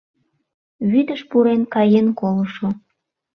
ВӰДЫШ ПУРЕН КАЕН КОЛЫШО